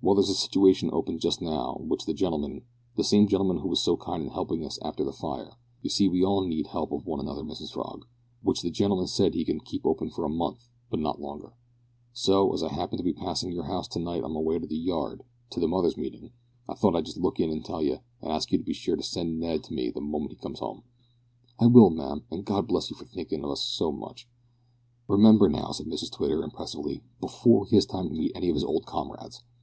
"Well, there is a situation open just now, which the gentleman the same gentleman who was so kind in helping us after the fire; you see we all need help of one another, Mrs Frog which the gentleman said he could keep open for a month, but not longer, so, as I happened to be passing your house to night on my way to the Yard, to the mothers' meeting, I thought I'd just look in and tell you, and ask you to be sure and send Ned to me the moment he comes home." "I will, ma'am, and God bless you for thinkin' of us so much." "Remember, now," said Mrs Twitter, impressively, "before he has time to meet any of his old comrades.